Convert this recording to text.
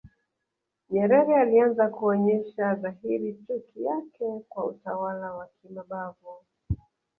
Nyerere alianza kuonyesha dhahiri chuki yake kwa utawala wa kimabavu